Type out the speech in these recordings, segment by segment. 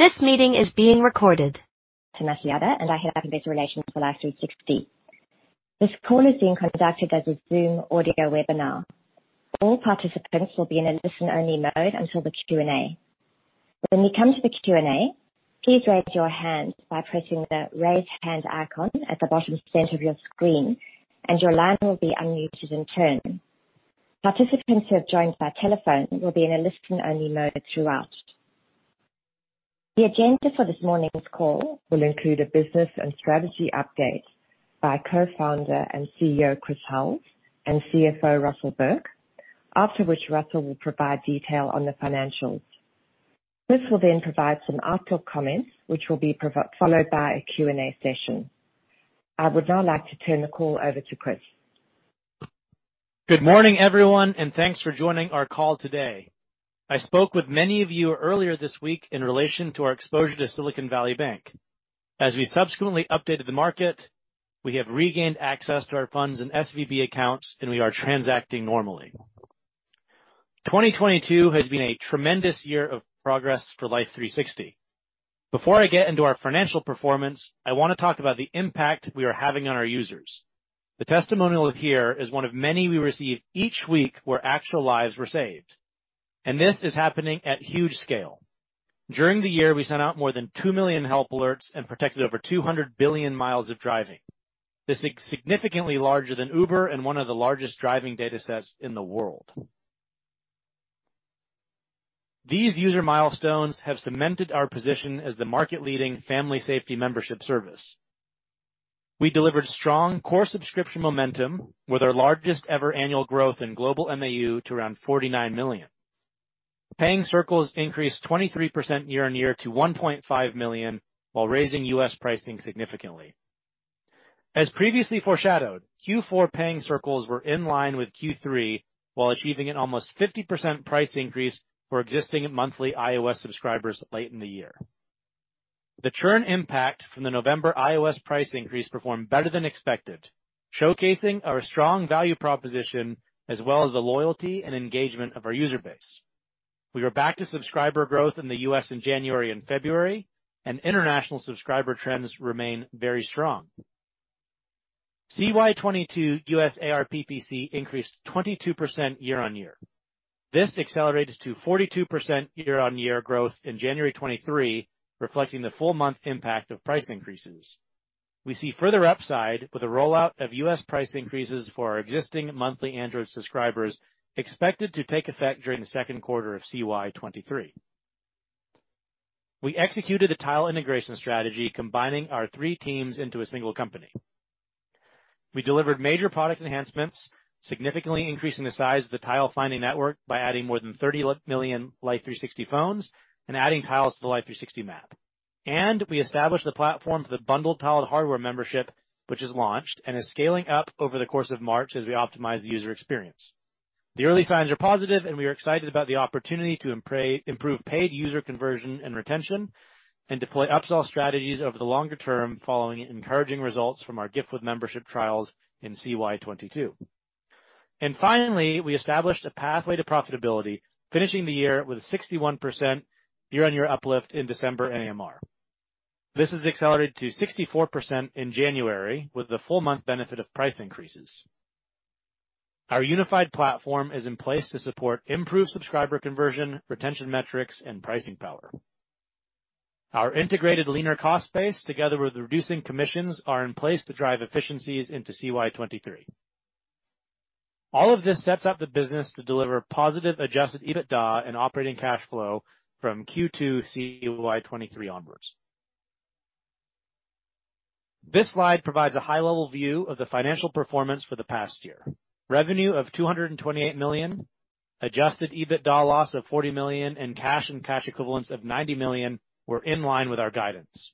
I head investor relations for Life360. This call is being conducted as a Zoom audio webinar. All participants will be in a listen-only mode until the Q&A. When we come to the Q&A, please raise your hand by pressing the Raise Hand icon at the bottom center of your screen, and your line will be unmuted in turn. Participants who have joined by telephone will be in a listen-only mode throughout. The agenda for this morning's call will include a business and strategy update by Co-Founder and CEO, Chris Hulls, and CFO, Russell Burke. After which, Russell will provide detail on the financials. Chris will then provide some outlook comments, which will be followed by a Q&A session. I would now like to turn the call over to Chris. Good morning, everyone, thanks for joining our call today. I spoke with many of you earlier this week in relation to our exposure to Silicon Valley Bank. As we subsequently updated the market, we have regained access to our funds and SVB accounts, and we are transacting normally. 2022 has been a tremendous year of progress for Life360. Before I get into our financial performance, I wanna talk about the impact we are having on our users. The testimonial here is one of many we receive each week where actual lives were saved, and this is happening at huge scale. During the year, we sent out more than 2 million help alerts and protected over 200 billion miles of driving. This is significantly larger than Uber and one of the largest driving datasets in the world. These user milestones have cemented our position as the market-leading family safety membership service. We delivered strong core subscription momentum with our largest ever annual growth in global MAU to around 49 million. Paying circles increased 23% year-on-year to 1.5 million while raising U.S. pricing significantly. As previously foreshadowed, Q4 paying circles were in line with Q3 while achieving an almost 50% price increase for existing monthly iOS subscribers late in the year. The churn impact from the November iOS price increase performed better than expected, showcasing our strong value proposition as well as the loyalty and engagement of our user base. We are back to subscriber growth in the U.S. in January and February, and international subscriber trends remain very strong. CY 2022 U.S. ARPPC increased 22% year-on-year. This accelerated to 42% year-on-year growth in January 2023, reflecting the full month impact of price increases. We see further upside with the rollout of U.S. price increases for our existing monthly Android subscribers, expected to take effect during the second quarter of CY 2023. We executed a Tile integration strategy, combining our three teams into a single company. We delivered major product enhancements, significantly increasing the size of the Tile finding network by adding more than 30 million Life360 phones and adding Tiles to the Life360 map. We established the platform for the bundled Tile hardware membership, which is launched and is scaling up over the course of March as we optimize the user experience. The early signs are positive, we are excited about the opportunity to improve paid user conversion and retention and deploy upsell strategies over the longer term following encouraging results from our gift with membership trials in CY 2022. Finally, we established a pathway to profitability, finishing the year with a 61% year-on-year uplift in December AMR. This has accelerated to 64% in January with the full month benefit of price increases. Our unified platform is in place to support improved subscriber conversion, retention metrics, and pricing power. Our integrated leaner cost base, together with reducing commissions, are in place to drive efficiencies into CY 2023. All of this sets up the business to deliver positive adjusted EBITDA and operating cash flow from Q2 CY 2023 onwards. This slide provides a high-level view of the financial performance for the past year. Revenue of $228 million, adjusted EBITDA loss of $40 million, and cash and cash equivalents of $90 million were in line with our guidance.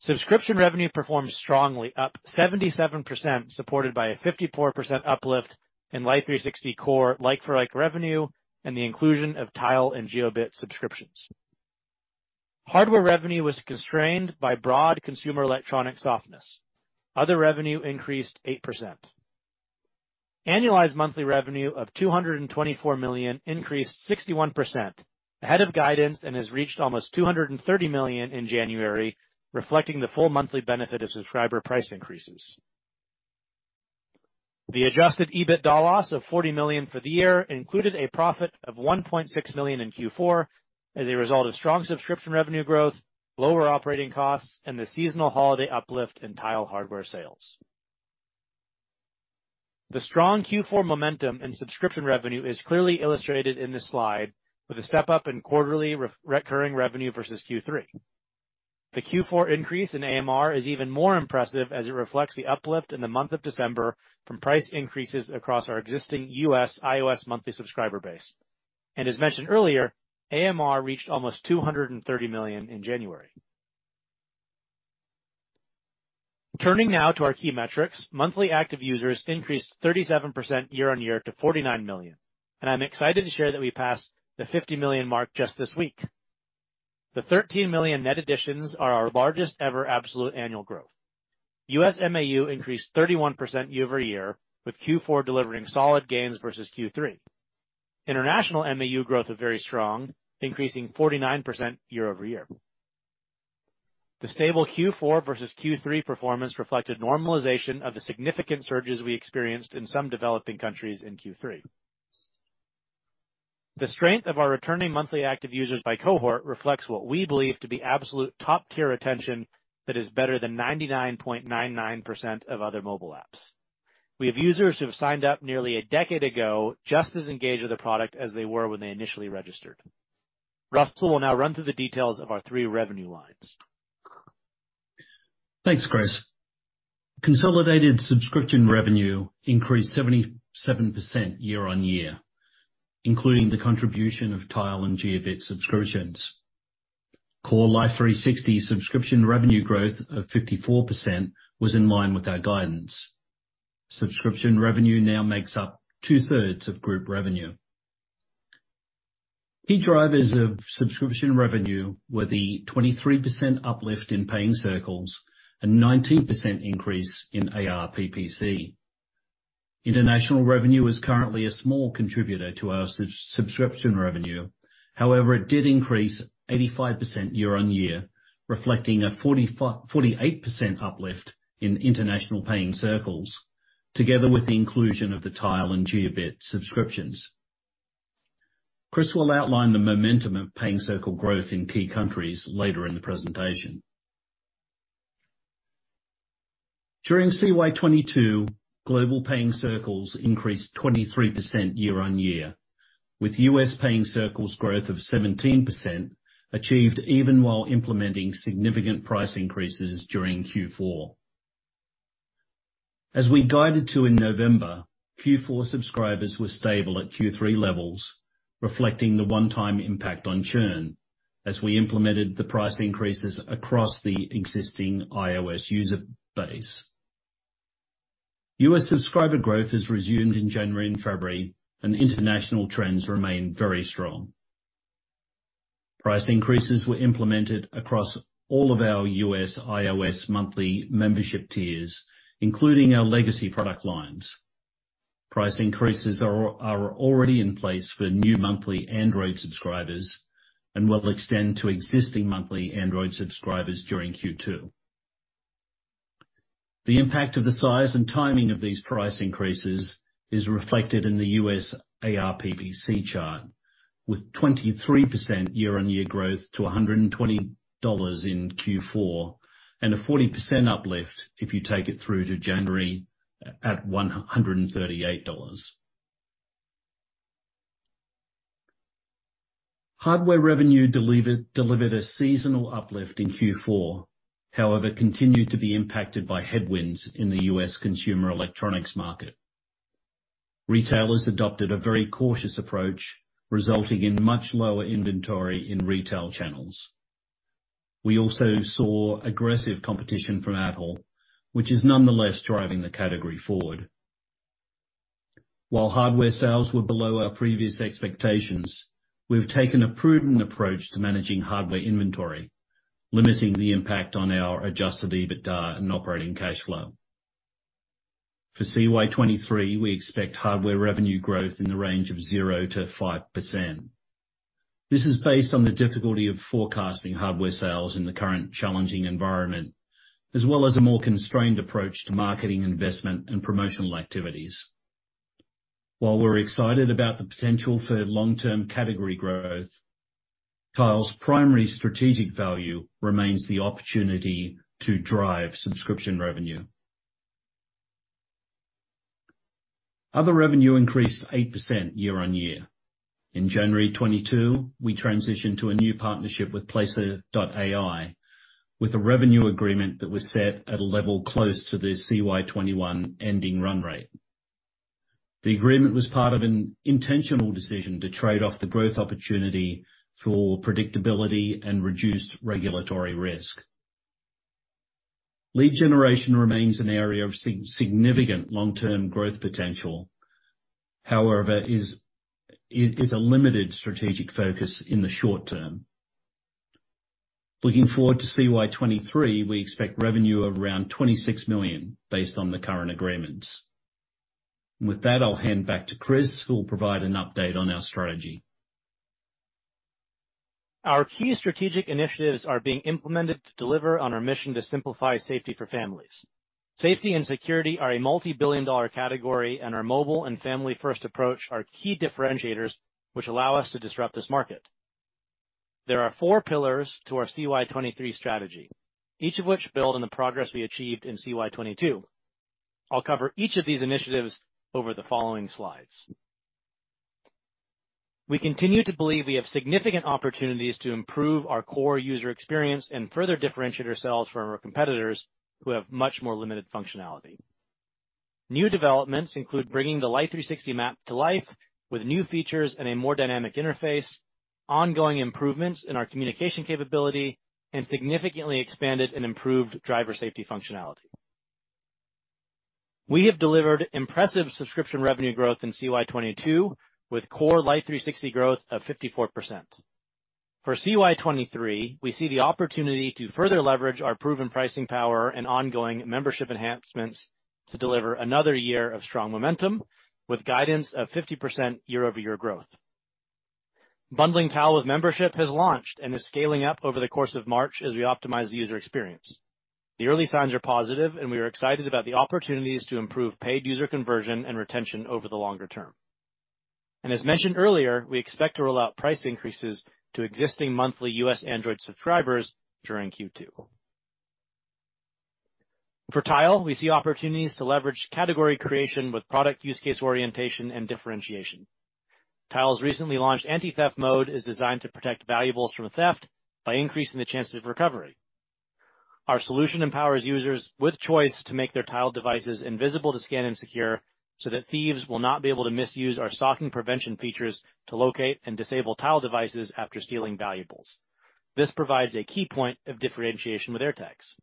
Subscription revenue performed strongly, up 77%, supported by a 54% uplift in Life360 core like-for-like revenue and the inclusion of Tile and Jiobit subscriptions. Hardware revenue was constrained by broad consumer electronic softness. Other revenue increased 8%. Annualized monthly revenue of $224 million increased 61%, ahead of guidance, and has reached almost $230 million in January, reflecting the full monthly benefit of subscriber price increases. The adjusted EBITDA loss of $40 million for the year included a profit of $1.6 million in Q4 as a result of strong subscription revenue growth, lower operating costs, and the seasonal holiday uplift in Tile hardware sales. The strong Q4 momentum in subscription revenue is clearly illustrated in this slide with a step-up in quarterly recurring revenue versus Q3. The Q4 increase in AMR is even more impressive as it reflects the uplift in the month of December from price increases across our existing U.S. iOS monthly subscriber base. As mentioned earlier, AMR reached almost $230 million in January. Turning now to our key metrics. Monthly active users increased 37% year-over-year to 49 million, I'm excited to share that we passed the 50 million mark just this week. The 13 million net additions are our largest ever absolute annual growth. U.S. MAU increased 31% year-over-year, with Q4 delivering solid gains versus Q3. International MAU growth are very strong, increasing 49% year-over-year. The stable Q4 versus Q3 performance reflected normalization of the significant surges we experienced in some developing countries in Q3. The strength of our returning monthly active users by cohort reflects what we believe to be absolute top-tier retention that is better than 99.99% of other mobile apps. We have users who have signed up nearly a decade ago, just as engaged with the product as they were when they initially registered. Russell will now run through the details of our three revenue lines. Thanks, Chris. Consolidated subscription revenue increased 77% year-on-year, including the contribution of Tile and Jiobit subscriptions. Core Life360 subscription revenue growth of 54% was in line with our guidance. Subscription revenue now makes up 2/3 of group revenue. Key drivers of subscription revenue were the 23% uplift in paying circles and 19% increase in ARPPC. International revenue is currently a small contributor to our sub-subscription revenue. It did increase 85% year-on-year, reflecting a 48% uplift in international paying circles, together with the inclusion of the Tile and Jiobit subscriptions. Chris will outline the momentum of paying circle growth in key countries later in the presentation. During CY 2022, global paying circles increased 23% year-on-year, with U.S. paying circles growth of 17% achieved even while implementing significant price increases during Q4. We guided to in November, Q4 subscribers were stable at Q3 levels, reflecting the one-time impact on churn as we implemented the price increases across the existing iOS user base. U.S. subscriber growth has resumed in January and February, international trends remain very strong. Price increases were implemented across all of our U.S. iOS monthly membership tiers, including our legacy product lines. Price increases are already in place for new monthly Android subscribers and will extend to existing monthly Android subscribers during Q2. The impact of the size and timing of these price increases is reflected in the U.S. ARPPC chart, with 23% year-on-year growth to $120 in Q4, a 40% uplift if you take it through to January at $138. Hardware revenue delivered a seasonal uplift in Q4, continued to be impacted by headwinds in the U.S. consumer electronics market. Retailers adopted a very cautious approach, resulting in much lower inventory in retail channels. We also saw aggressive competition from Apple, which is nonetheless driving the category forward. While hardware sales were below our previous expectations, we've taken a prudent approach to managing hardware inventory, limiting the impact on our adjusted EBITDA and operating cash flow. For CY 2023, we expect hardware revenue growth in the range of 0%-5%. This is based on the difficulty of forecasting hardware sales in the current challenging environment, as well as a more constrained approach to marketing, investment, and promotional activities. While we're excited about the potential for long-term category growth, Tile's primary strategic value remains the opportunity to drive subscription revenue. Other revenue increased 8% year-over-year. In January 2022, we transitioned to a new partnership with Placer.ai, with a revenue agreement that was set at a level close to the CY 2021 ending run rate. The agreement was part of an intentional decision to trade off the growth opportunity for predictability and reduced regulatory risk. Lead generation remains an area of significant long-term growth potential. It is a limited strategic focus in the short term. Looking forward to CY 2023, we expect revenue of around $26 million based on the current agreements. With that, I'll hand back to Chris, who will provide an update on our strategy. Our key strategic initiatives are being implemented to deliver on our mission to simplify safety for families. Safety and security are a multi-billion-dollar category, and our mobile and family-first approach are key differentiators which allow us to disrupt this market. There are four pillars to our CY 2023 strategy, each of which build on the progress we achieved in CY 2022. I'll cover each of these initiatives over the following slides. We continue to believe we have significant opportunities to improve our core user experience and further differentiate ourselves from our competitors who have much more limited functionality. New developments include bringing the Life360 map to life with new features and a more dynamic interface, ongoing improvements in our communication capability, and significantly expanded and improved driver safety functionality. We have delivered impressive subscription revenue growth in CY 2022 with core Life360 growth of 54%. For CY 2023, we see the opportunity to further leverage our proven pricing power and ongoing membership enhancements to deliver another year of strong momentum with guidance of 50% year-over-year growth. Bundling Tile with membership has launched and is scaling up over the course of March as we optimize the user experience. The early signs are positive. We are excited about the opportunities to improve paid user conversion and retention over the longer term. As mentioned earlier, we expect to roll out price increases to existing monthly U.S. Android subscribers during Q2. For Tile, we see opportunities to leverage category creation with product use case orientation and differentiation. Tile's recently launched anti-theft mode is designed to protect valuables from theft by increasing the chances of recovery. Our solution empowers users with choice to make their Tile devices invisible to scan and secure so that thieves will not be able to misuse our stalking prevention features to locate and disable Tile devices after stealing valuables. This provides a key point of differentiation with AirTags.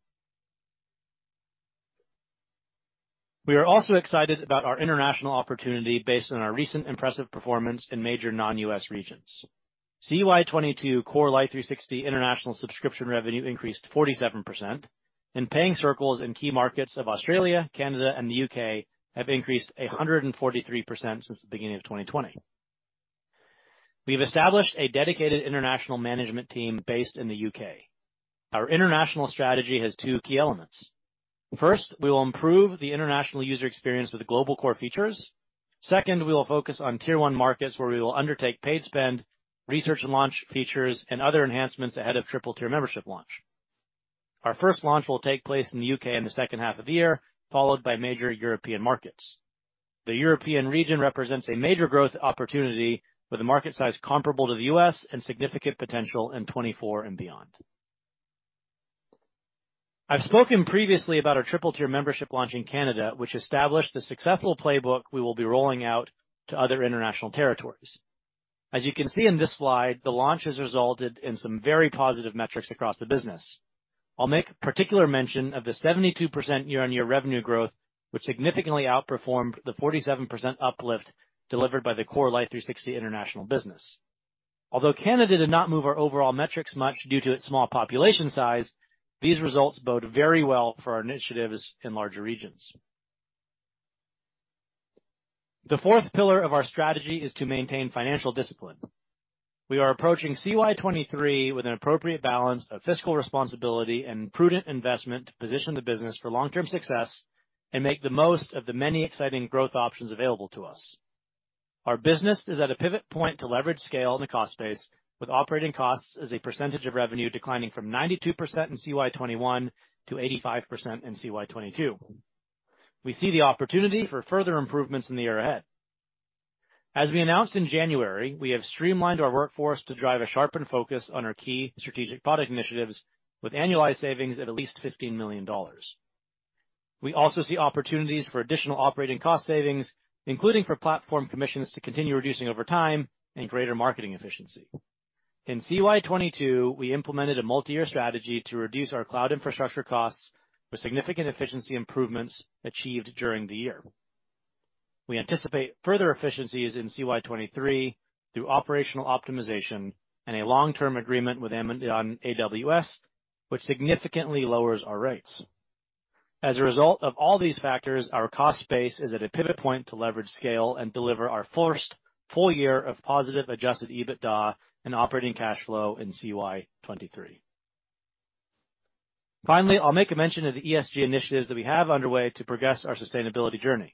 We are also excited about our international opportunity based on our recent impressive performance in major non-U.S. regions. CY 2022 core Life360 international subscription revenue increased 47%, and paying Circles in key markets of Australia, Canada, and the U.K. have increased 143% since the beginning of 2020. We've established a dedicated international management team based in the U.K. Our international strategy has two key elements. First, we will improve the international user experience with global core features. Second, we will focus on tier one markets, where we will undertake paid spend, research and launch features, and other enhancements ahead of triple-tier membership launch. Our first launch will take place in the U.K. in the second half of the year, followed by major European markets. The European region represents a major growth opportunity with a market size comparable to the U.S. and significant potential in 2024 and beyond. I've spoken previously about our triple-tier membership launch in Canada, which established the successful playbook we will be rolling out to other international territories. As you can see in this slide, the launch has resulted in some very positive metrics across the business. I'll make particular mention of the 72% year-over-year revenue growth, which significantly outperformed the 47% uplift delivered by the core Life360 international business. Although Canada did not move our overall metrics much due to its small population size, these results bode very well for our initiatives in larger regions. The fourth pillar of our strategy is to maintain financial discipline. We are approaching CY 2023 with an appropriate balance of fiscal responsibility and prudent investment to position the business for long-term success and make the most of the many exciting growth options available to us. Our business is at a pivot point to leverage scale in the cost base, with operating costs as a percentage of revenue declining from 92% in CY 2021 to 85% in CY 2022. We see the opportunity for further improvements in the year ahead. As we announced in January, we have streamlined our workforce to drive a sharpened focus on our key strategic product initiatives with annualized savings of at least $15 million. We also see opportunities for additional operating cost savings, including for platform commissions to continue reducing over time and greater marketing efficiency. In CY 2022, we implemented a multi-year strategy to reduce our cloud infrastructure costs with significant efficiency improvements achieved during the year. We anticipate further efficiencies in CY 2023 through operational optimization and a long-term agreement with Amazon AWS, which significantly lowers our rates. As a result of all these factors, our cost base is at a pivot point to leverage scale and deliver our first full year of positive adjusted EBITDA and operating cash flow in CY 2023. Finally, I'll make a mention of the ESG initiatives that we have underway to progress our sustainability journey.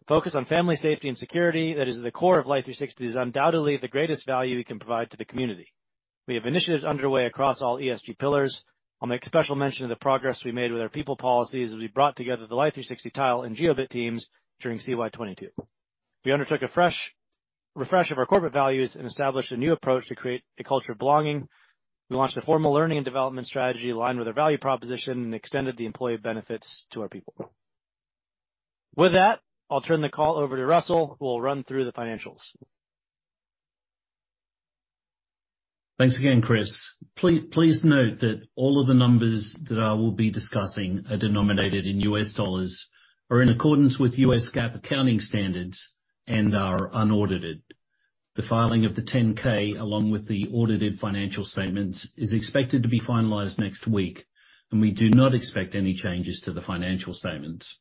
The focus on family safety and security that is at the core of Life360 is undoubtedly the greatest value we can provide to the community. We have initiatives underway across all ESG pillars. I'll make special mention of the progress we made with our people policies as we brought together the Life360 Tile and Jiobit teams during CY 2022. We undertook a refresh of our corporate values and established a new approach to create a culture of belonging. We launched a formal learning and development strategy aligned with our value proposition and extended the employee benefits to our people. With that, I'll turn the call over to Russell, who will run through the financials. Thanks again, Chris. Please note that all of the numbers that I will be discussing are denominated in US dollars, are in accordance with U.S. GAAP accounting standards, and are unaudited. The filing of the 10-K, along with the audited financial statements, is expected to be finalized next week, and we do not expect any changes to the financial statements.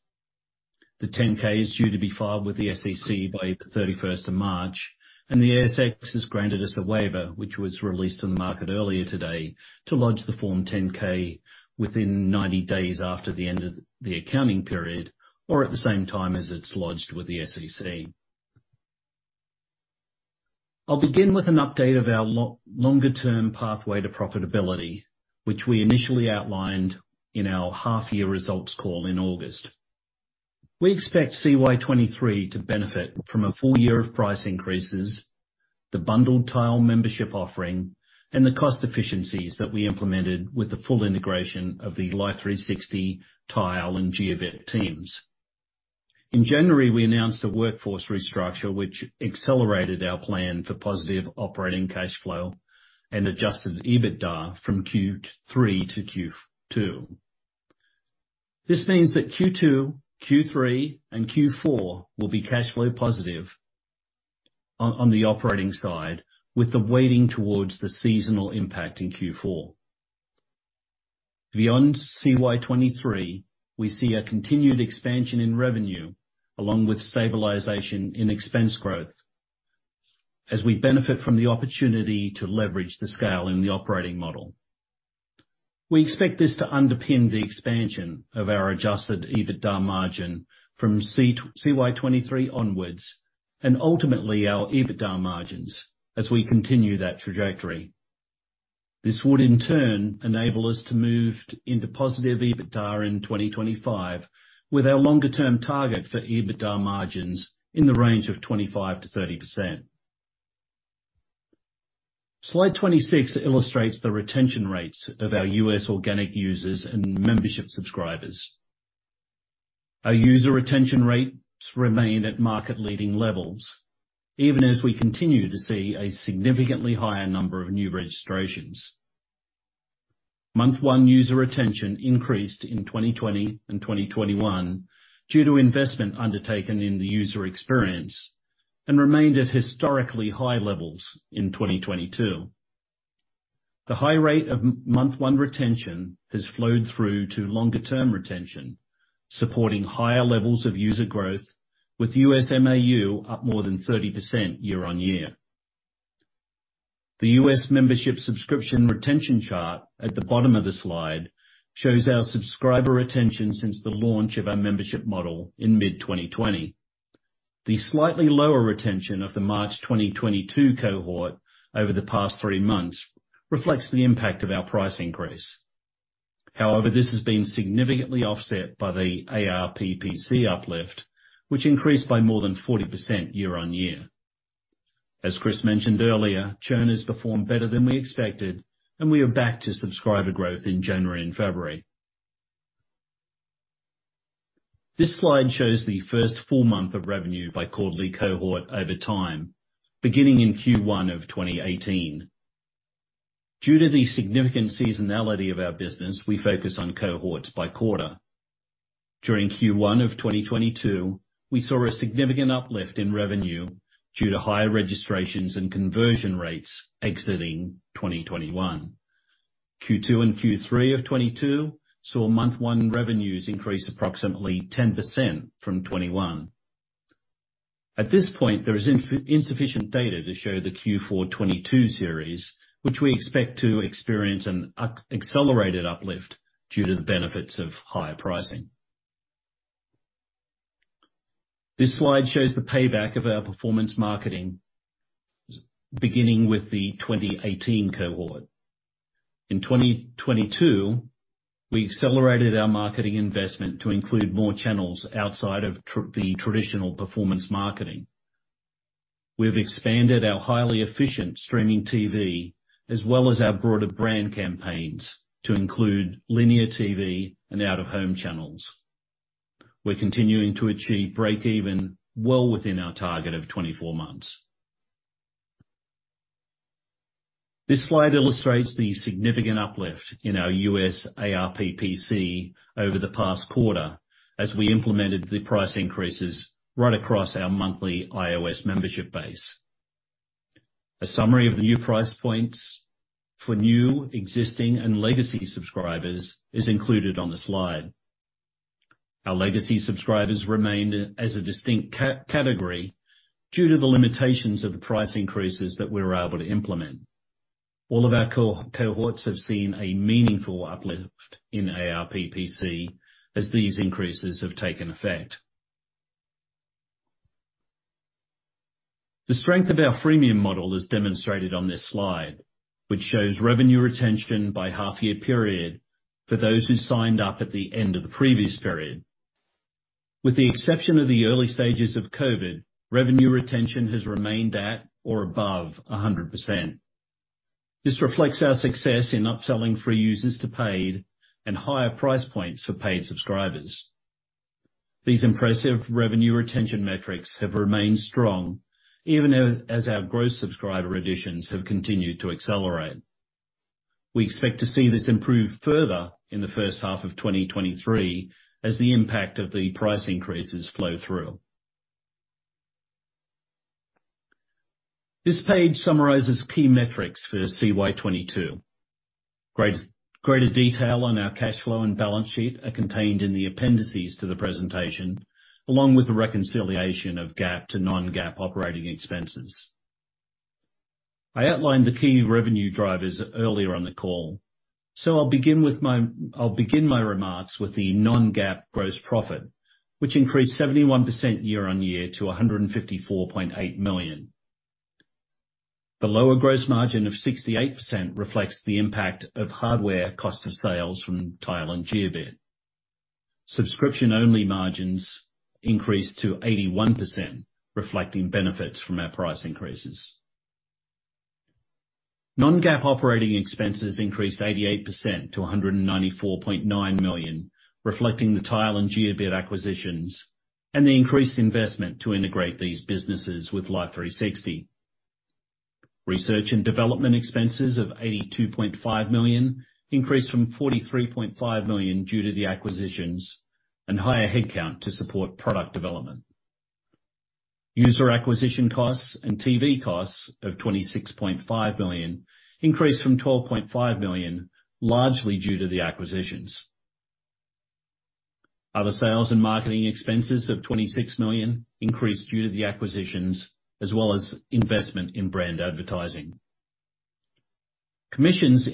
The 10-K is due to be filed with the SEC by the 31st of March, and the ASX has granted us a waiver, which was released on the market earlier today, to lodge the Form 10-K within 90 days after the end of the accounting period or at the same time as it's lodged with the SEC. I'll begin with an update of our longer-term pathway to profitability, which we initially outlined in our half-year results call in August. We expect CY 2023 to benefit from a full year of price increases, the bundled Tile membership offering, and the cost efficiencies that we implemented with the full integration of the Life360 Tile and Jiobit teams. In January, we announced a workforce restructure, which accelerated our plan for positive operating cash flow and adjusted EBITDA from Q3 to Q2. This means that Q2, Q3, and Q4 will be cash flow positive on the operating side, with the weighting towards the seasonal impact in Q4. Beyond CY 2023, we see a continued expansion in revenue along with stabilization in expense growth as we benefit from the opportunity to leverage the scale in the operating model. We expect this to underpin the expansion of our adjusted EBITDA margin from CY 2023 onwards, and ultimately, our EBITDA margins as we continue that trajectory. This would, in turn, enable us to move into positive EBITDA in 2025, with our longer-term target for EBITDA margins in the range of 25%-30%. Slide 26 illustrates the retention rates of our U.S. organic users and membership subscribers. Our user retention rates remain at market-leading levels, even as we continue to see a significantly higher number of new registrations. Month one user retention increased in 2020 and 2021 due to investment undertaken in the user experience, and remained at historically high levels in 2022. The high rate of month one retention has flowed through to longer-term retention, supporting higher levels of user growth, with U.S. MAU up more than 30% year-on-year. The U.S. membership subscription retention chart at the bottom of the slide shows our subscriber retention since the launch of our membership model in mid-2020. The slightly lower retention of the March 2022 cohort over the past three months reflects the impact of our price increase. However, this has been significantly offset by the ARPPC uplift, which increased by more than 40% year-on-year. As Chris mentioned earlier, churn has performed better than we expected, and we are back to subscriber growth in January and February. This slide shows the first full month of revenue by quarterly cohort over time, beginning in Q1 of 2018. Due to the significant seasonality of our business, we focus on cohorts by quarter. During Q1 of 2022, we saw a significant uplift in revenue due to higher registrations and conversion rates exiting 2021. Q2 and Q3 of 2022 saw month-one revenues increase approximately 10% from 2021. At this point, there is insufficient data to show the Q4 2022 series, which we expect to experience an accelerated uplift due to the benefits of higher pricing. This slide shows the payback of our performance marketing, beginning with the 2018 cohort. In 2022, we accelerated our marketing investment to include more channels outside of the traditional performance marketing. We have expanded our highly efficient streaming TV as well as our broader brand campaigns to include linear TV and out-of-home channels. We're continuing to achieve break even well within our target of 24 months. This slide illustrates the significant uplift in our U.S. ARPPC over the past quarter as we implemented the price increases right across our monthly iOS membership base. A summary of the new price points for new, existing, and legacy subscribers is included on the slide. Our legacy subscribers remained as a distinct category due to the limitations of the price increases that we were able to implement. All of our cohorts have seen a meaningful uplift in ARPPC as these increases have taken effect. The strength of our freemium model is demonstrated on this slide, which shows revenue retention by half-year period for those who signed up at the end of the previous period. With the exception of the early stages of COVID, revenue retention has remained at or above 100%. This reflects our success in upselling free users to paid and higher price points for paid subscribers. These impressive revenue retention metrics have remained strong even as our gross subscriber additions have continued to accelerate. We expect to see this improve further in the first half of 2023 as the impact of the price increases flow through. This page summarizes key metrics for CY 2022. greater detail on our cash flow and balance sheet are contained in the appendices to the presentation, along with the reconciliation of GAAP to non-GAAP operating expenses. I outlined the key revenue drivers earlier on the call, I'll begin my remarks with the non-GAAP gross profit, which increased 71% year-on-year to $154.8 million. The lower gross margin of 68% reflects the impact of hardware cost of sales from Tile and Jiobit. Subscription-only margins increased to 81%, reflecting benefits from our price increases. Non-GAAP operating expenses increased 88% to $194.9 million, reflecting the Tile and Jiobit acquisitions and the increased investment to integrate these businesses with Life360. Research and development expenses of $82.5 million increased from $43.5 million due to the acquisitions and higher headcount to support product development. User acquisition costs and TV costs of $26.5 million increased from $12.5 million, largely due to the acquisitions. Other sales and marketing expenses of $26 million increased due to the acquisitions as well as investment in brand advertising. Commissions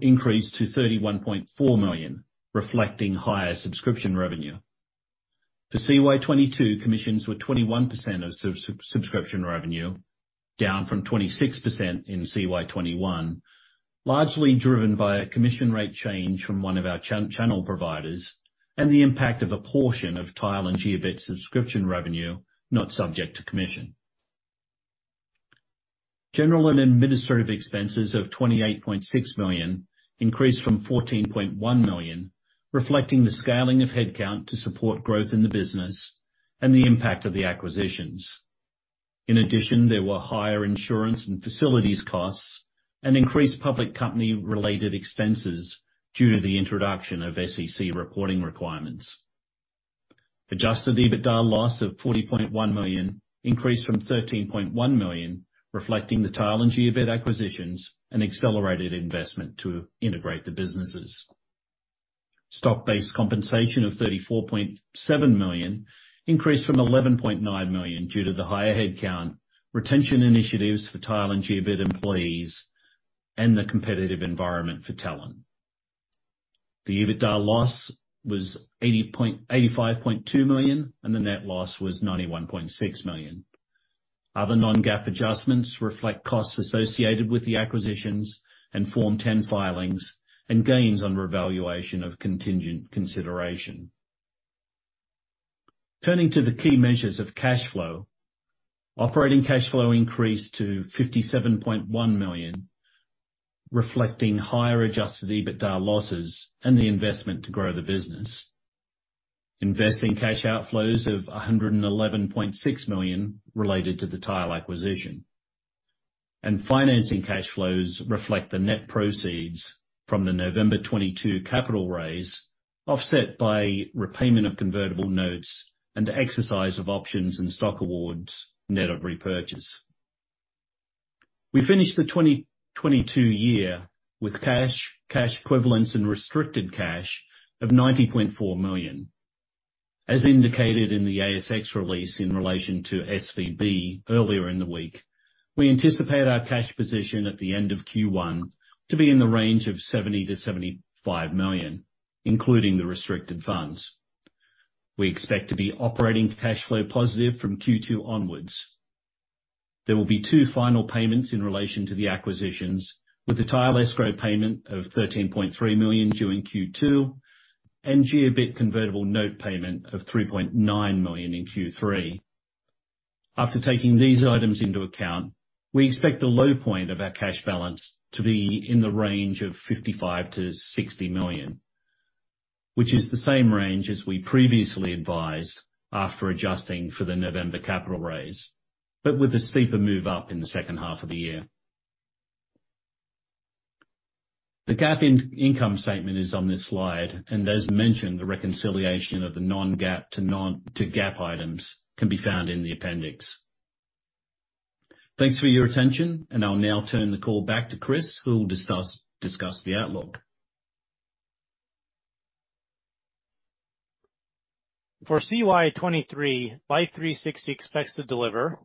increased to $31.4 million, reflecting higher subscription revenue. For CY 2022, commissions were 21% of subscription revenue, down from 26% in CY 2021, largely driven by a commission rate change from one of our channel providers and the impact of a portion of Tile and Jiobit subscription revenue not subject to commission. General and administrative expenses of $28.6 million increased from $14.1 million, reflecting the scaling of headcount to support growth in the business and the impact of the acquisitions. In addition, there were higher insurance and facilities costs and increased public company-related expenses due to the introduction of SEC reporting requirements. Adjusted EBITDA loss of $40.1 million increased from $13.1 million, reflecting the Tile and Jiobit acquisitions and accelerated investment to integrate the businesses. Stock-based compensation of $34.7 million increased from $11.9 million due to the higher headcount, retention initiatives for Tile and Jiobit employees and the competitive environment for talent. The EBITDA loss was $85.2 million, and the net loss was $91.6 million. Other non-GAAP adjustments reflect costs associated with the acquisitions and Form 10 filings and gains on revaluation of contingent consideration. Turning to the key measures of cash flow. Operating cash flow increased to $57.1 million, reflecting higher adjusted EBITDA losses and the investment to grow the business. Investing cash outflows of $111.6 million related to the Tile acquisition. Financing cash flows reflect the net proceeds from the November 2022 capital raise, offset by repayment of convertible notes and the exercise of options and stock awards, net of repurchase. We finished the 2022 year with cash equivalents, and restricted cash of $90.4 million. As indicated in the ASX release in relation to SVB earlier in the week, we anticipate our cash position at the end of Q1 to be in the range of $70 million-$75 million, including the restricted funds. We expect to be operating cash flow positive from Q2 onwards. There will be two final payments in relation to the acquisitions, with the Tile escrow payment of $13.3 million due in Q2 and Jiobit convertible note payment of $3.9 million in Q3. After taking these items into account, we expect the low point of our cash balance to be in the range of $55 million-$60 million, which is the same range as we previously advised after adjusting for the November capital raise, but with a steeper move up in the second half of the year. The GAAP income statement is on this slide, as mentioned, the reconciliation of the non-GAAP to GAAP items can be found in the appendix. Thanks for your attention, I'll now turn the call back to Chris, who will discuss the outlook. For CY 2023, Life360 expects to deliver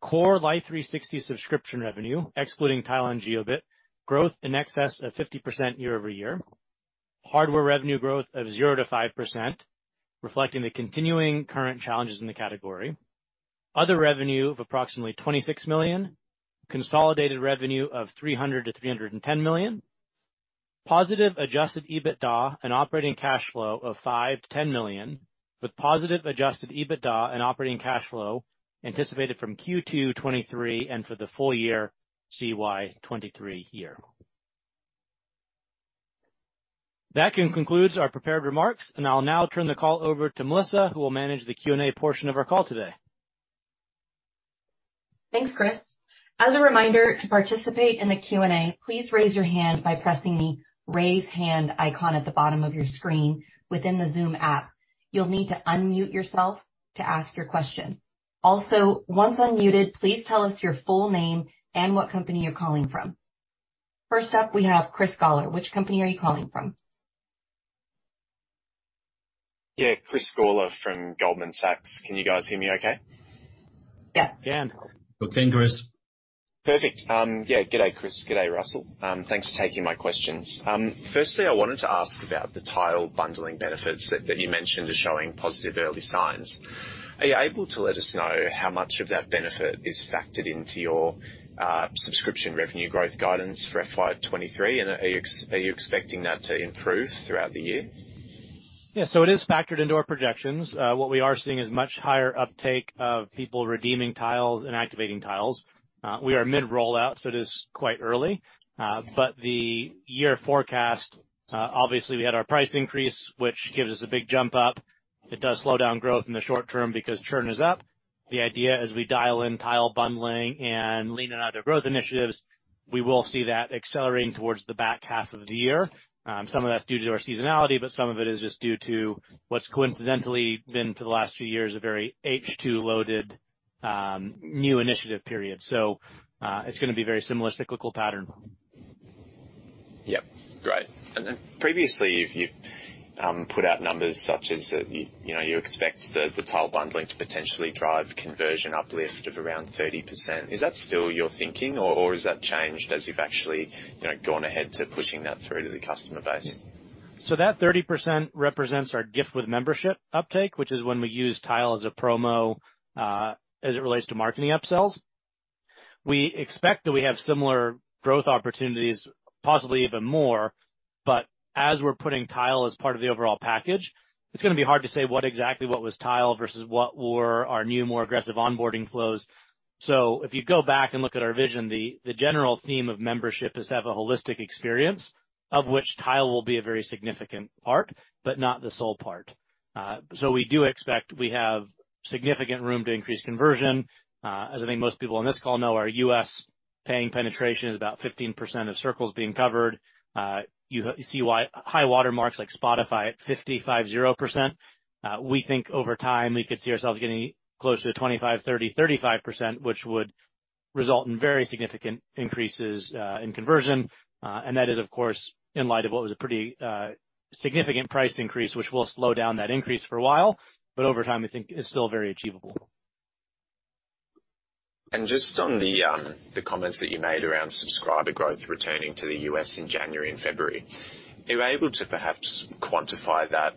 core Life360 subscription revenue, excluding Tile and Jiobit, growth in excess of 50% year-over-year. Hardware revenue growth of 0%-5%, reflecting the continuing current challenges in the category. Other revenue of approximately $26 million. Consolidated revenue of $300 million-$310 million. Positive adjusted EBITDA and operating cash flow of $5 million-$10 million, with positive adjusted EBITDA and operating cash flow anticipated from Q2 2023 and for the full year CY 2023. That concludes our prepared remarks. I'll now turn the call over to Melissa, who will manage the Q&A portion of our call today. Thanks, Chris. As a reminder, to participate in the Q&A, please raise your hand by pressing the Raise Hand icon at the bottom of your screen within the Zoom app. You'll need to unmute yourself to ask your question. Once unmuted, please tell us your full name and what company you're calling from. First up, we have Chris Gawler. Which company are you calling from? Yeah, Chris Gawler from Goldman Sachs. Can you guys hear me okay? Yes. Can. Okay, Chris. Perfect. Good day, Chris. Good day, Russell. Thanks for taking my questions. Firstly, I wanted to ask about the Tile bundling benefits that you mentioned are showing positive early signs. Are you able to let us know how much of that benefit is factored into your subscription revenue growth guidance for FY 2023, and are you expecting that to improve throughout the year? It is factored into our projections. What we are seeing is much higher uptake of people redeeming Tiles and activating Tiles. We are mid-rollout, so it is quite early. The year forecast, obviously, we had our price increase, which gives us a big jump up. It does slow down growth in the short term because churn is up. The idea as we dial in Tile bundling and lean on other growth initiatives, we will see that accelerating towards the back half of the year. Some of that's due to our seasonality, but some of it is just due to what's coincidentally been, for the last few years, a very H-two loaded, new initiative period. It's gonna be very similar cyclical pattern. Yep, great. Previously, you've put out numbers such as that you know, you expect the Tile bundling to potentially drive conversion uplift of around 30%. Is that still your thinking, or has that changed as you've actually, you know, gone ahead to pushing that through to the customer base? That 30% represents our gift with membership uptake, which is when we use Tile as a promo, as it relates to marketing upsells. We expect that we have similar growth opportunities, possibly even more. As we're putting Tile as part of the overall package, it's gonna be hard to say what exactly was Tile versus what were our new, more aggressive onboarding flows. If you go back and look at our vision, the general theme of membership is to have a holistic experience, of which Tile will be a very significant part, but not the sole part. We do expect we have significant room to increase conversion. As I think most people on this call know, our U.S. paying penetration is about 15% of circles being covered. You see why high water marks like Spotify at 55.0%. We think over time, we could see ourselves getting closer to 25%, 30%, 35%, which would result in very significant increases, in conversion. That is, of course, in light of what was a pretty, significant price increase, which will slow down that increase for a while, but over time we think is still very achievable. Just on the comments that you made around subscriber growth returning to the U.S. in January and February. Are you able to perhaps quantify that,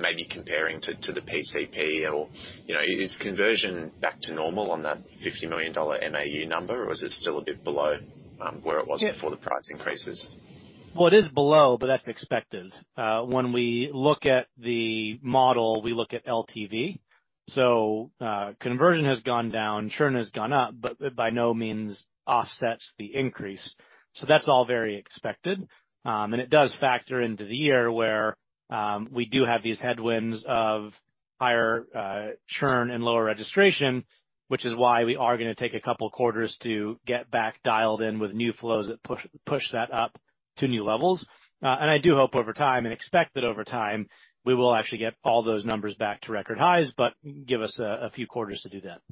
maybe comparing to the PCP? You know, is conversion back to normal on that $50 million MAU number, or is it still a bit below where it was? Yeah. Before the price increases? It is below, but that's expected. When we look at the model, we look at LTV. Conversion has gone down, churn has gone up, but it by no means offsets the increase. That's all very expected. It does factor into the year where we do have these headwinds of higher churn and lower registration, which is why we are gonna take a couple of quarters to get back dialed in with new flows that push that up to new levels. I do hope over time and expect that over time, we will actually get all those numbers back to record highs, but give us a few quarters to do that.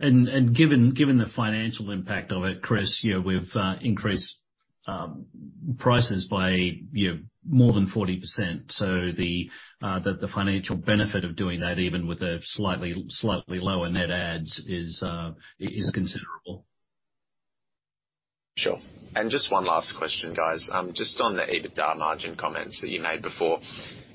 Given the financial impact of it, Chris, you know, we've increased prices by, you know, more than 40%. The financial benefit of doing that, even with a slightly lower net adds is considerable. Sure. Just one last question, guys. Just on the EBITDA margin comments that you made before.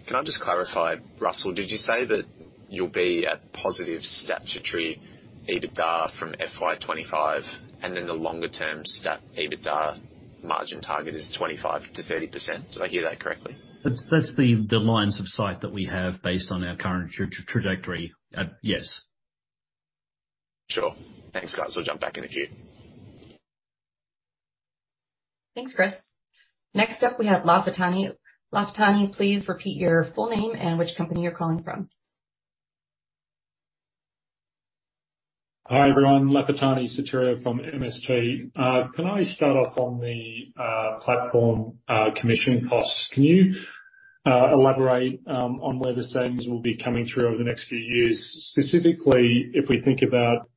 Can I just clarify, Russell, did you say that you'll be at positive statutory EBITDA from FY 2025 and then the longer term stat EBITDA margin target is 25%-30%? Did I hear that correctly? That's the lines of sight that we have based on our current trajectory. Yes. Sure. Thanks, guys. I'll jump back in the queue. Thanks, Chris. Next up, we have Lafitani. Lafitani, please repeat your full name and which company you're calling from. Hi, everyone. Lafitani Sotiriou from MST. Can I start off on the platform commissioning costs? Can you elaborate on where the savings will be coming through over the next few years? Specifically, if we think about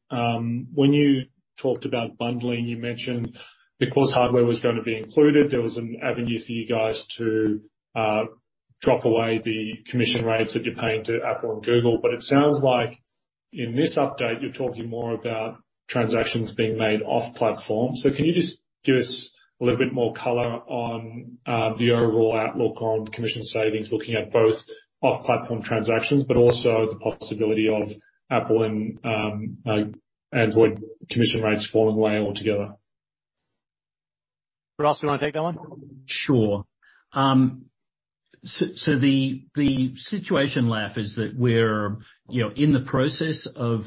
when you talked about bundling, you mentioned because hardware was gonna be included, there was an avenue for you guys to drop away the commission rates that you're paying to Apple and Google. It sounds like in this update, you're talking more about transactions being made off-platform. Can you just give us a little bit more color on the overall outlook on commission savings, looking at both off-platform transactions, but also the possibility of Apple and Android commission rates falling away altogether? Russell, do you wanna take that one? Sure. So the situation, Laf, is that we're, you know, in the process of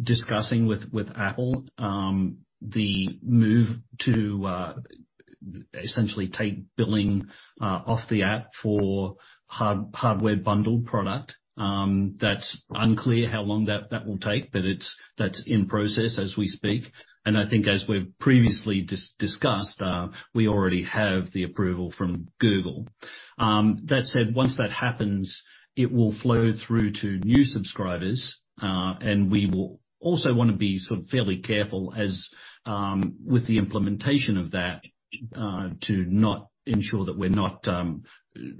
discussing with Apple the move to essentially take billing off the app for hardware bundled product. That's unclear how long that will take, but that's in process as we speak. I think as we've previously discussed, we already have the approval from Google. That said, once that happens, it will flow through to new subscribers, and we will also wanna be sort of fairly careful as with the implementation of that to not ensure that we're not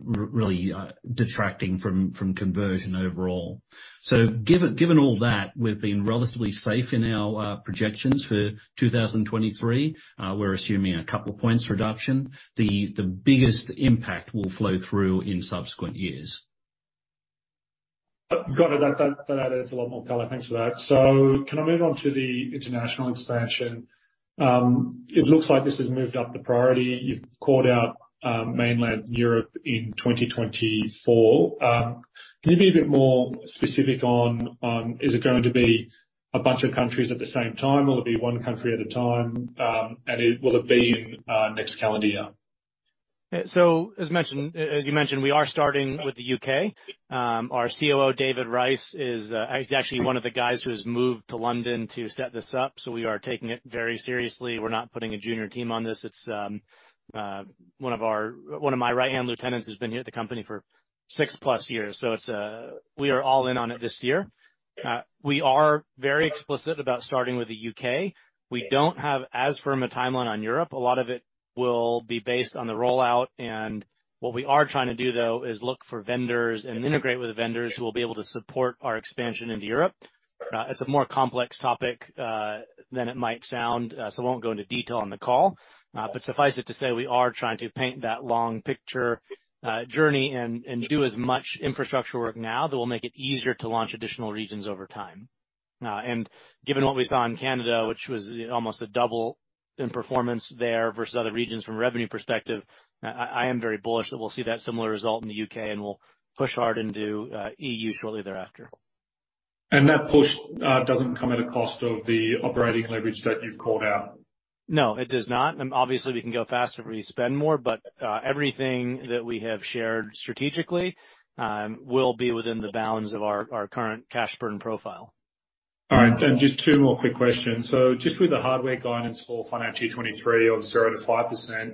really detracting from conversion overall. Given all that, we've been relatively safe in our projections for 2023. We're assuming a couple points reduction. The biggest impact will flow through in subsequent years. Got it. That adds a lot more color. Thanks for that. Can I move on to the international expansion? It looks like this has moved up the priority. You've called out mainland Europe in 2024. Can you be a bit more specific on, is it going to be a bunch of countries at the same time? Will it be one country at a time? And will it be in next calendar year? As you mentioned, we are starting with the U.K. Our COO, David Rice, is, he's actually one of the guys who has moved to London to set this up, so we are taking it very seriously. We're not putting a junior team on this. It's, one of my right-hand lieutenants who's been here at the company for 6+ years, so it's, we are all in on it this year. We are very explicit about starting with the U.K. We don't have as firm a timeline on Europe. A lot of it will be based on the rollout and what we are trying to do, though, is look for vendors and integrate with vendors who will be able to support our expansion into Europe. It's a more complex topic than it might sound. I won't go into detail on the call. Suffice it to say, we are trying to paint that long picture, journey and do as much infrastructure work now that will make it easier to launch additional regions over time. Given what we saw in Canada, which was almost a double in performance there versus other regions from a revenue perspective, I am very bullish that we'll see that similar result in the U.K., and we'll push hard into EU shortly thereafter. That push doesn't come at a cost of the operating leverage that you've called out. No, it does not. Obviously, we can go faster if we spend more, but everything that we have shared strategically, will be within the bounds of our current cash burn profile. All right. Just two more quick questions. Just with the hardware guidance for financial 2023 of 0%-5%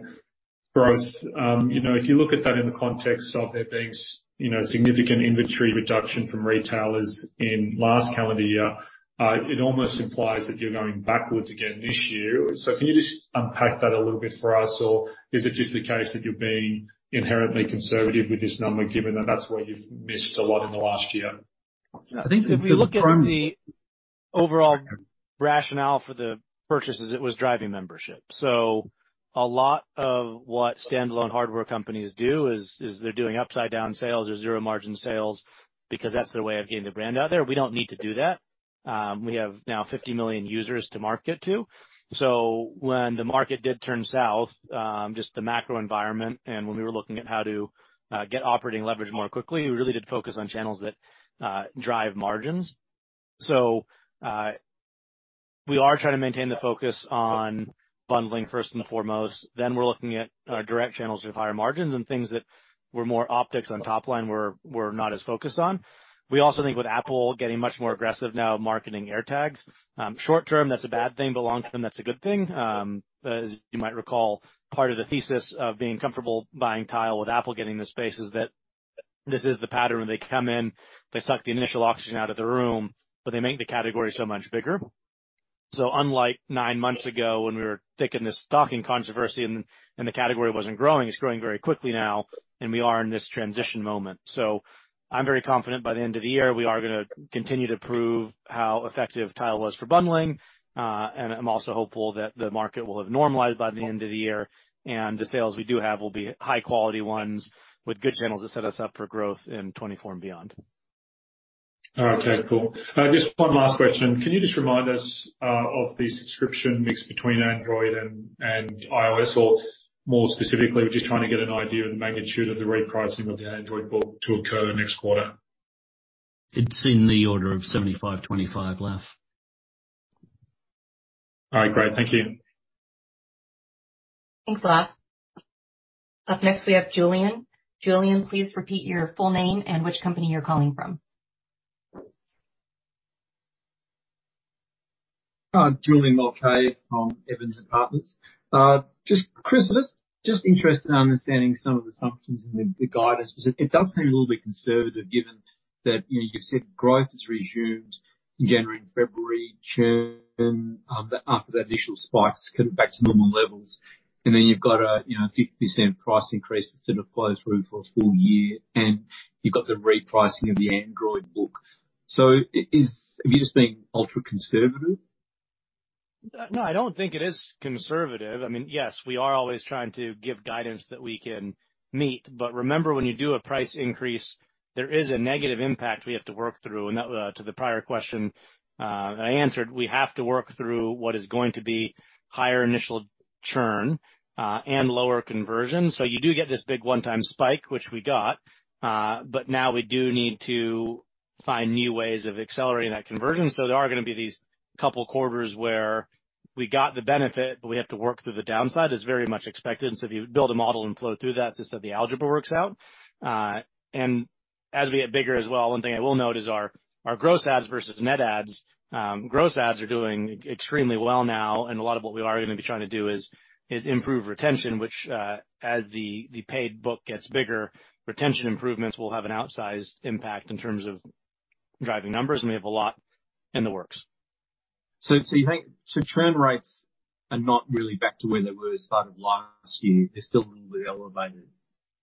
growth. You know, if you look at that in the context of there being, you know, significant inventory reduction from retailers in last calendar year, it almost implies that you're going backwards again this year. Can you just unpack that a little bit for us, or is it just the case that you're being inherently conservative with this number, given that that's where you've missed a lot in the last year? I think if you look at the overall rationale for the purchases, it was driving membership. A lot of what standalone hardware companies do is they're doing upside down sales or zero margin sales because that's their way of getting the brand out there. We don't need to do that. We have now 50 million users to market to. When the market did turn south, just the macro environment and when we were looking at how to get operating leverage more quickly, we really did focus on channels that drive margins. We are trying to maintain the focus on bundling first and foremost, then we're looking at direct channels with higher margins and things that were more optics on top line we're not as focused on. We also think with Apple getting much more aggressive now marketing AirTags, short term, that's a bad thing, but long term, that's a good thing. As you might recall, part of the thesis of being comfortable buying Tile with Apple getting the space is that this is the pattern. They come in, they suck the initial oxygen out of the room, but they make the category so much bigger. Unlike nine months ago when we were taking this stalking controversy and the category wasn't growing, it's growing very quickly now, and we are in this transition moment. I'm very confident by the end of the year, we are gonna continue to prove how effective Tile was for bundling. I'm also hopeful that the market will have normalized by the end of the year, and the sales we do have will be high quality ones with good channels that set us up for growth in 2024 and beyond. All right. Okay, cool. Just one last question. Can you just remind us of the subscription mix between Android and iOS, or more specifically, we're just trying to get an idea of the magnitude of the repricing of the Android book to occur next quarter. It's in the order of 75, 25 left. All right, great. Thank you. Thanks, Laf. Up next, we have Julian. Julian, please repeat your full name and which company you're calling from. Julian Mulcahy from Evans and Partners. Just, Chris, just interested in understanding some of the assumptions in the guidance. 'Cause it does seem a little bit conservative given that, you know, you've said growth has resumed in January and February, churn, after that initial spike is kind of back to normal levels. Then you've got a, you know, 50% price increase that's gonna close through for a full year, and you've got the repricing of the Android book. Have you just been ultra-conservative? No, I don't think it is conservative. I mean, yes, we are always trying to give guidance that we can meet, but remember, when you do a price increase, there is a negative impact we have to work through. That, to the prior question, that I answered, we have to work through what is going to be higher initial churn, and lower conversion. You do get this big one-time spike, which we got. Now we do need to find new ways of accelerating that conversion. There are going to be these couple quarters where we got the benefit, but we have to work through the downside, is very much expected. If you build a model and flow through that so the algebra works out. As we get bigger as well, one thing I will note is our gross adds versus net adds. Gross adds are doing extremely well now, and a lot of what we are gonna be trying to do is improve retention, which, as the paid book gets bigger, retention improvements will have an outsized impact in terms of driving numbers, and we have a lot in the works. Churn rates are not really back to where they were start of last year. They're still a little bit elevated.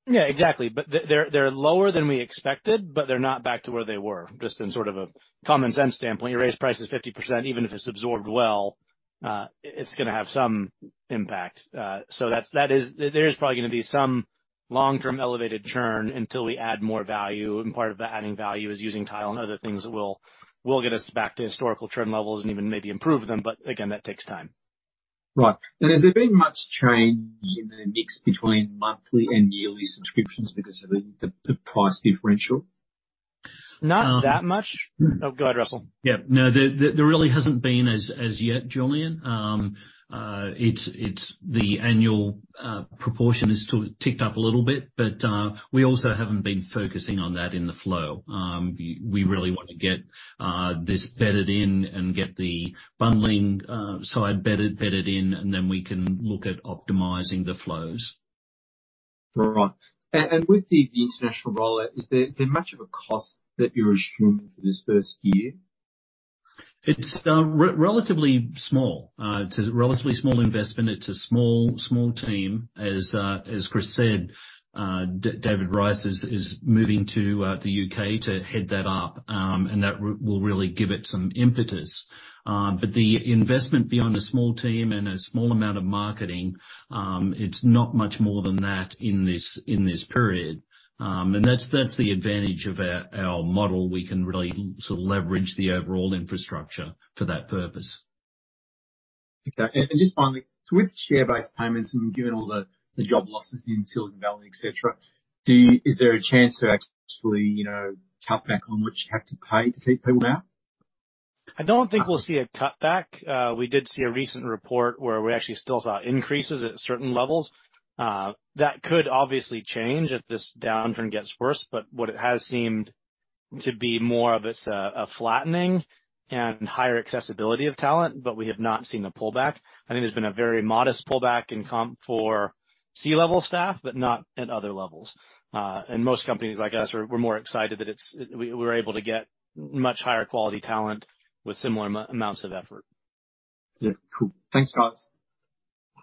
Yeah, exactly. But they're lower than we expected, but they're not back to where they were. Just in sort of a common sense standpoint, you raise prices 50%, even if it's absorbed well, it's gonna have some impact. That is there is probably gonna be some long-term elevated churn until we add more value, and part of the adding value is using Tile and other things that will get us back to historical churn levels and even maybe improve them. Again, that takes time. Right. Has there been much change in the mix between monthly and yearly subscriptions because of the price differential? Not that much. Oh, go ahead, Russell. Yeah, no, there really hasn't been as yet, Julian. The annual proportion is sort of ticked up a little bit, but we also haven't been focusing on that in the flow. We really want to get this bedded in and get the bundling side bedded in, and then we can look at optimizing the flows. Right. With the international rollout, is there much of a cost that you're assuming for this first year? It's relatively small. It's a relatively small investment. It's a small team as Chris said, David Rice is moving to the U.K. to head that up. That will really give it some impetus. The investment beyond a small team and a small amount of marketing, it's not much more than that in this period. That's the advantage of our model. We can really sort of leverage the overall infrastructure for that purpose. Okay. Just finally, with share-based payments and given all the job losses in Silicon Valley, et cetera, is there a chance to actually, you know, cut back on what you have to pay to keep people now? I don't think we'll see a cutback. We did see a recent report where we actually still saw increases at certain levels. That could obviously change if this downturn gets worse, but what it has seemed to be more of it's a flattening and higher accessibility of talent, but we have not seen a pullback. I think there's been a very modest pullback in comp for C-level staff, but not at other levels. Most companies like us are, we're more excited that it's, we're able to get much higher quality talent with similar amounts of effort. Yeah. Cool. Thanks, guys.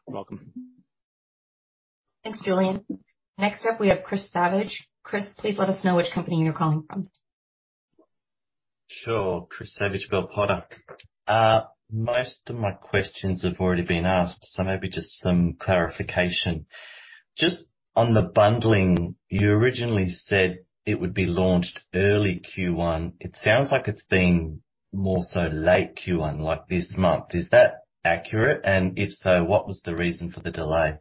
You're welcome. Thanks, Julian. Next up we have Chris Savage. Chris, please let us know which company you're calling from. Sure. Chris Savage, Bell Potter. Most of my questions have already been asked, so maybe just some clarification. Just on the bundling, you originally said it would be launched early Q1. It sounds like it's been more so late Q1, like this month. Is that accurate? If so, what was the reason for the delay?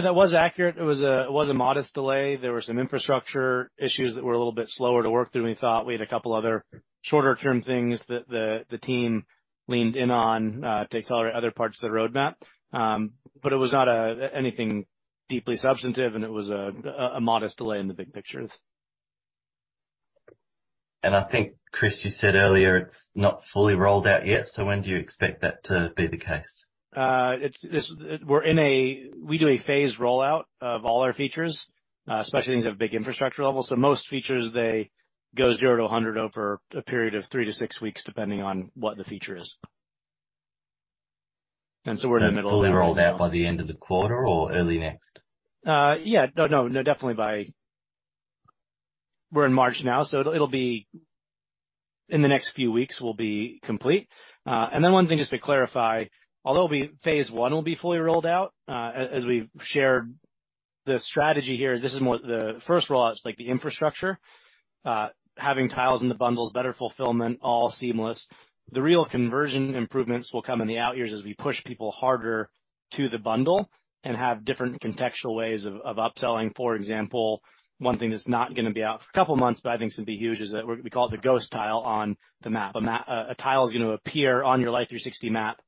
That was accurate. It was a modest delay. There were some infrastructure issues that were a little bit slower to work through than we thought. We had a couple other shorter term things that the team leaned in on to accelerate other parts of the roadmap. It was not anything deeply substantive, and it was a modest delay in the big picture. I think, Chris, you said earlier it's not fully rolled out yet. When do you expect that to be the case? It's. We do a phased rollout of all our features, especially things at a big infrastructure level. Most features, they go 0 to 100 over a period of 3 to 6 weeks, depending on what the feature is. We're in the middle of that right now. Fully rolled out by the end of the quarter or early next? Yeah. No, no, definitely by... We're in March now, so it'll be... In the next few weeks, we'll be complete. One thing just to clarify, although phase one will be fully rolled out, as we've shared, the strategy here is this is more the first rollout, it's like the infrastructure, having tiles in the bundles, better fulfillment, all seamless. The real conversion improvements will come in the out years as we push people harder to the bundle and have different contextual ways of upselling. For example, one thing that's not gonna be out for a couple of months, but I think it's gonna be huge, is that we call it the ghost tile on the map. A tile is gonna appear on your Life360 map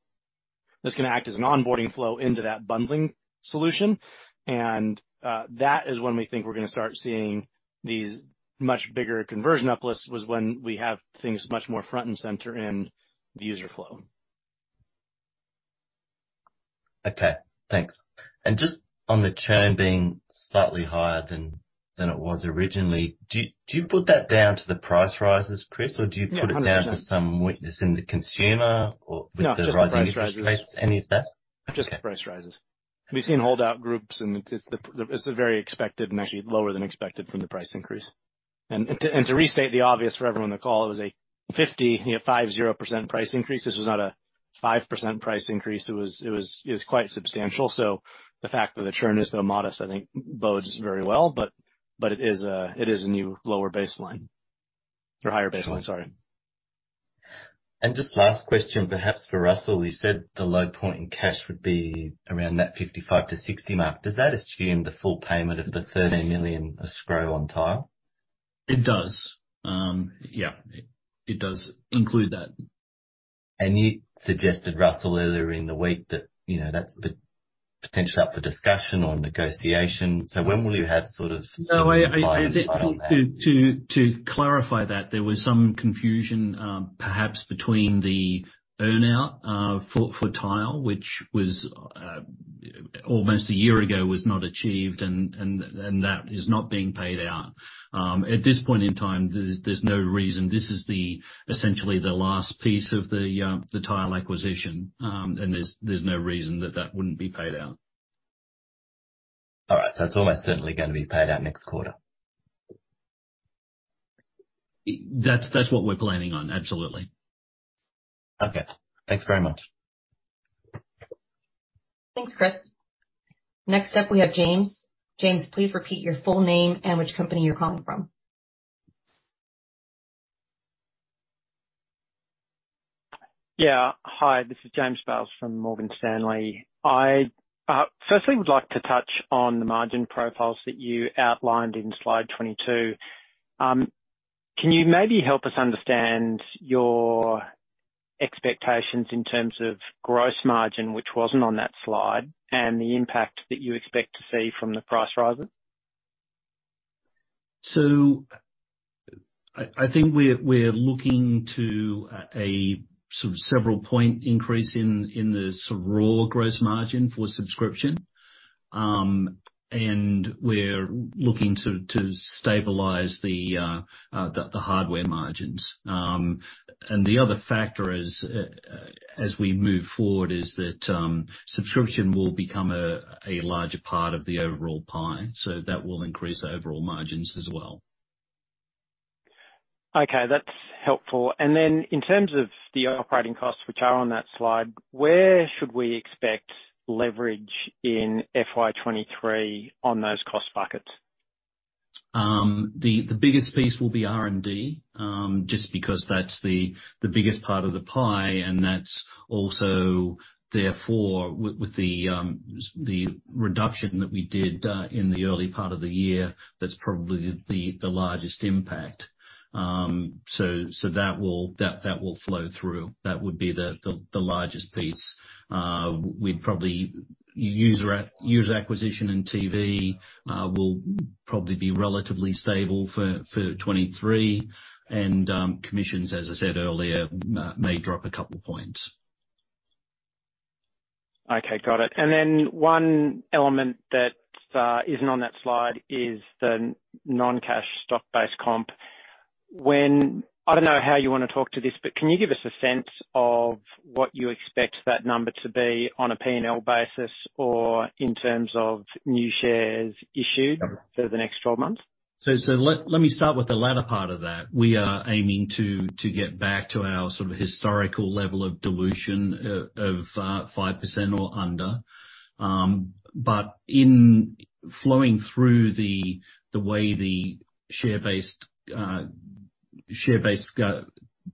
that's gonna act as an onboarding flow into that bundling solution. That is when we think we're gonna start seeing these much bigger conversion uplifts, was when we have things much more front and center in the user flow. Okay. Thanks. Just on the churn being slightly higher than it was originally. Do you put that down to the price rises, Chris? Yeah. 100%. Do you put it down to some weakness in the consumer or with the rising interest rates? No, just the price rises. Any of that? Just the price rises. Okay. We've seen holdout groups, and it's very expected and actually lower than expected from the price increase. To restate the obvious for everyone on the call, it was a 50% price increase. This was not a 5% price increase. It was quite substantial. The fact that the churn is so modest, I think bodes very well. It is a new lower baseline. Higher baseline, sorry. Just last question, perhaps for Russell. You said the low point in cash would be around that $55-$60 mark. Does that assume the full payment of the $13 million escrow on Tile? It does. Yeah. It does include that. You suggested, Russell, earlier in the week that, you know, that's the potential up for discussion or negotiation. When will you have sort of some final insight on that? No, I think to clarify that, there was some confusion, perhaps between the earnout for Tile, which was almost a year ago, was not achieved, and that is not being paid out. At this point in time, there's no reason. This is essentially the last piece of the Tile acquisition. There's no reason that that wouldn't be paid out. All right. It's almost certainly gonna be paid out next quarter. That's what we're planning on. Absolutely. Okay. Thanks very much. Thanks, Chris. Next up we have James. James, please repeat your full name and which company you're calling from. Yeah. Hi, this is James Bales from Morgan Stanley. I, firstly, would like to touch on the margin profiles that you outlined in slide 22. Can you maybe help us understand your expectations in terms of gross margin, which wasn't on that slide, and the impact that you expect to see from the price rises? I think we're looking to a sort of several point increase in the sort of raw gross margin for subscription. We're looking to stabilize the hardware margins. The other factor is as we move forward, is that subscription will become a larger part of the overall pie, so that will increase the overall margins as well. Okay, that's helpful. Then in terms of the operating costs which are on that slide, where should we expect leverage in FY 2023 on those cost buckets? The biggest piece will be R&D, just because that's the biggest part of the pie, and that's also therefore with the reduction that we did in the early part of the year, that's probably the largest impact. So that will flow through. That would be the largest piece. We'd probably user acquisition and TV will probably be relatively stable for 2023. Commissions, as I said earlier, may drop a couple points. Okay, got it. One element that isn't on that slide is the non-cash stock-based comp. I don't know how you wanna talk to this, but can you give us a sense of what you expect that number to be on a P&L basis or in terms of new shares issued for the next 12 months? Let me start with the latter part of that. We are aiming to get back to our sort of historical level of dilution of 5% or under. In flowing through the way the share-based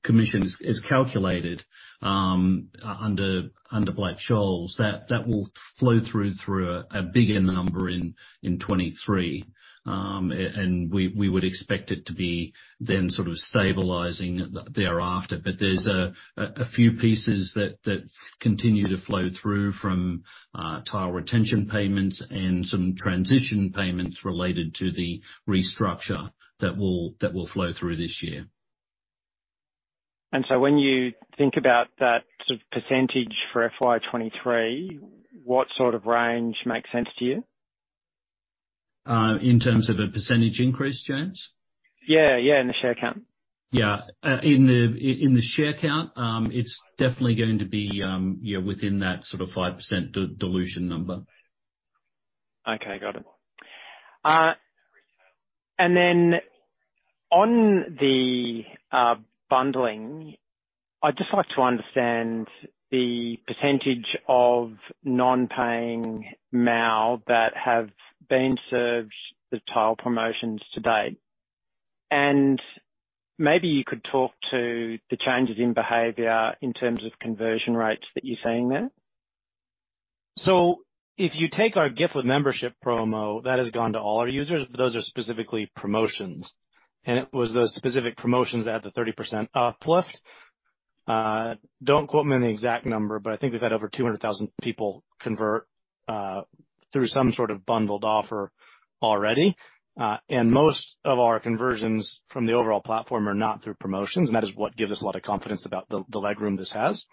commission is calculated under Black-Scholes, that will flow through a bigger number in 2023. We would expect it to be then sort of stabilizing thereafter. There's a few pieces that continue to flow through from Tile retention payments and some transition payments related to the restructure that will flow through this year. When you think about that sort of percentage for FY 2023, what sort of range makes sense to you? In terms of a percentage increase, James? Yeah, yeah, in the share count. Yeah. In the share count, it's definitely going to be, you know, within that sort of 5% dilution number. Okay, got it. Then on the bundling, I'd just like to understand the percentage of non-paying MAU that have been served the Tile promotions to date. Maybe you could talk to the changes in behavior in terms of conversion rates that you're seeing there. If you take our gift with membership promo, that has gone to all our users, but those are specifically promotions. It was the specific promotions that had the 30% uplift. Don't quote me on the exact number, but I think we've had over 200,000 people convert through some sort of bundled offer already. Most of our conversions from the overall platform are not through promotions, and that is what gives us a lot of confidence about the leg room this has.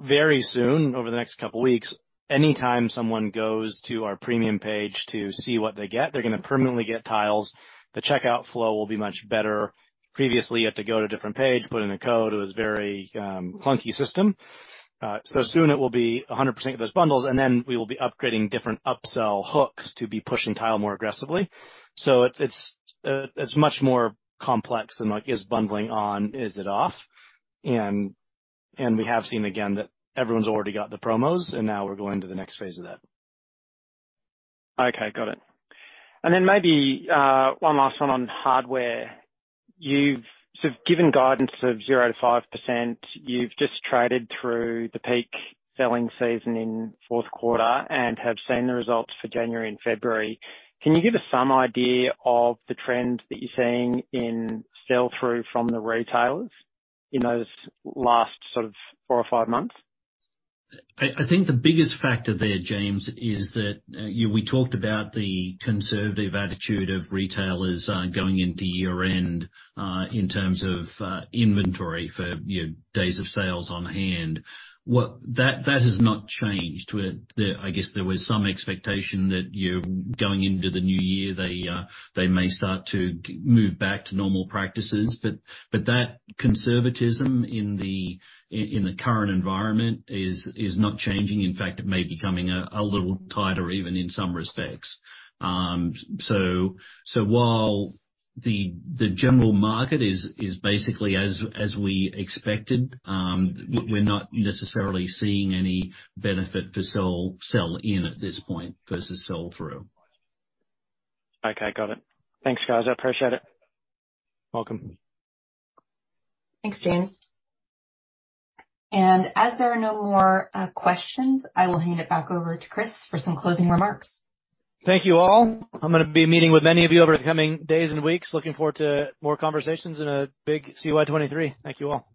Very soon, over the next couple weeks, anytime someone goes to our premium page to see what they get, they're gonna permanently get Tiles. The checkout flow will be much better. Previously, you had to go to a different page, put in a code. It was very clunky system. Soon it will be 100% of those bundles, and then we will be upgrading different upsell hooks to be pushing Tile more aggressively. It's much more complex than, like, is bundling on, is it off? We have seen again that everyone's already got the promos, and now we're going to the next phase of that. Okay, got it. Then maybe, one last one on hardware. You've sort of given guidance of 0%-5%. You've just traded through the peak selling season in fourth quarter and have seen the results for January and February. Can you give us some idea of the trends that you're seeing in sell-through from the retailers in those last sort of four or five months? I think the biggest factor there, James, is that, you know, we talked about the conservative attitude of retailers, going into year-end, in terms of inventory for, you know, days of sales on hand. That has not changed. There I guess there was some expectation that, you know, going into the new year, they may start to move back to normal practices. That conservatism in the current environment is not changing. In fact, it may be becoming a little tighter even in some respects. While the general market is basically as we expected, we're not necessarily seeing any benefit to sell in at this point versus sell through. Okay. Got it. Thanks, guys. I appreciate it. Welcome. Thanks, James. As there are no more questions, I will hand it back over to Chris for some closing remarks. Thank you all. I'm gonna be meeting with many of you over the coming days and weeks. Looking forward to more conversations in a big CY 2023. Thank you all.